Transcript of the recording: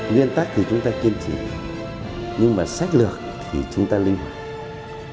nguyên tắc thì chúng ta kiên trì nhưng mà sách lược thì chúng ta linh hoạt